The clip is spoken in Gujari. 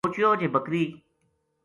سوچیو جے بکری